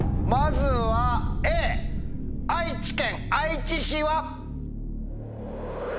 まずはＡ愛知県愛知市は。